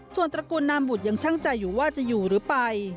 ส่วนตระกูลนามบุตรยังช่างใจอยู่ว่าจะอยู่หรือไป